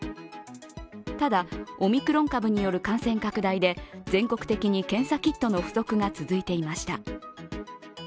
ただ、オミクロン株による感染拡大で全国的に検査キットの不足が続いていました。